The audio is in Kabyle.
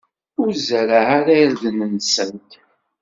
Ur zerreɛ ara irden-nsent.